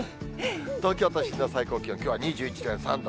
東京都心の最高気温、きょうは２１．３度。